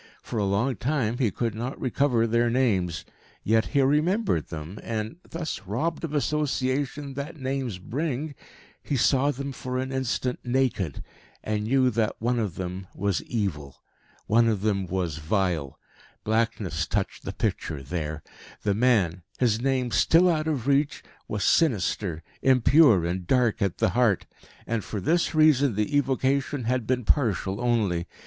For a long time he could not recover their names. Yet he remembered them; and, thus robbed of association that names bring, he saw them for an instant naked, and knew that one of them was evil. One of them was vile. Blackness touched the picture there. The man, his name still out of reach, was sinister, impure and dark at the heart. And for this reason the evocation had been partial only.